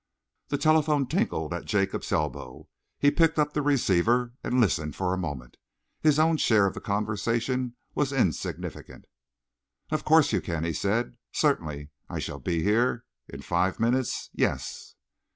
The telephone tinkled at Jacob's elbow. He picked up the receiver and listened for a moment. His own share of the conversation was insignificant. "Of course you can," he said. "Certainly, I shall be here.... In five minutes?... Yes!"